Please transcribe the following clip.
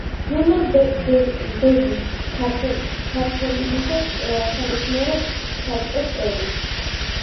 ჟურნალ „ბედი ქართლისას“ სამეცნიერო საბჭოს წევრი.